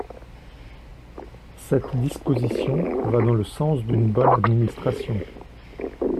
Cette disposition va dans le sens d’une bonne administration.